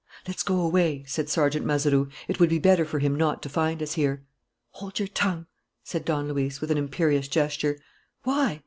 "Let's go away," said Sergeant Mazeroux. "It would be better for him not to find us here." "Hold your tongue!" said Don Luis, with an imperious gesture. "Why?"